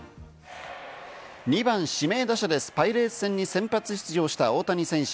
２番・指名打者でパイレーツ戦に先発出場した大谷選手。